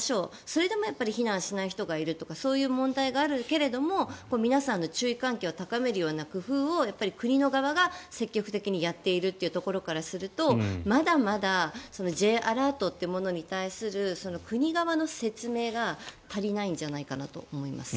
それでも避難しない人がいるというそういう問題があるけれども皆さんの注意喚起を高めるような工夫を国の側が積極的にやっているというところからするとまだまだＪアラートってものに対する国側の説明が足りないんじゃないかと思います。